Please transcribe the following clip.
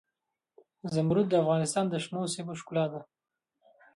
زمرد د افغانستان د شنو سیمو ښکلا ده.